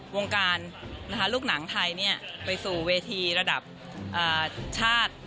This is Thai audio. วงการลูกหนังไทยไปสู่เวทีระดับชาติ